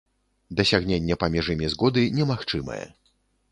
Дасягненне паміж імі згоды немагчымае.